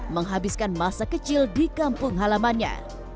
menghabiskan masa kecil di kampung halamannya